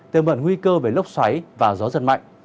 tương ẩn nguy cơ về lốc xoáy và gió giật mạnh